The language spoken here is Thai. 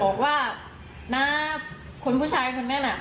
ตอนนี้ขอเอาผิดถึงที่สุดยืนยันแบบนี้